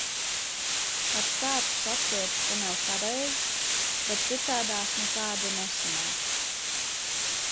Ar prātu saprotu, ka nav pareizi, bet citādāk nekādi nesanāk.